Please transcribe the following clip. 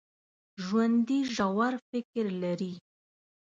ژوندي ژور فکر لري